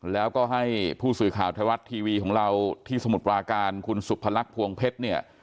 แล้วก็ให้ผู้สื่อข่าวไทยรัฐทีวีของเราที่สมุทรปราการคุณสุพรรคพวงเพชรเนี่ย